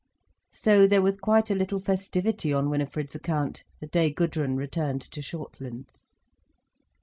So there was quite a little festivity on Winifred's account, the day Gudrun returned to Shortlands.